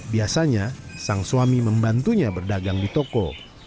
biasanya sang suami membantunya berdagang di toko